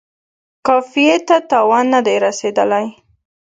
قافیې ته تاوان نه دی رسیدلی.